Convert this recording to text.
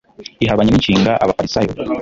ihabanye ni nshinga abafarisayo